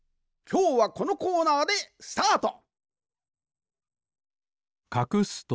きょうはこのコーナーでスタート！